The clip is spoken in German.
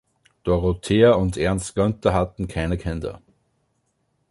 Dorothea und Ernst Günther hatten keine Kinder.